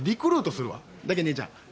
だけん姉ちゃん。